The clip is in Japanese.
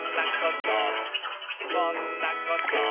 「こんなこと」